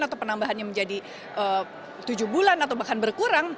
atau penambahannya menjadi tujuh bulan atau bahkan berkurang